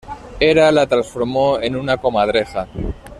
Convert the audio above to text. Hera la transformó en una comadreja.